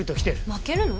負けるの？